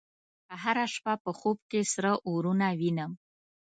هره شپه په خوب کې سره اورونه وینم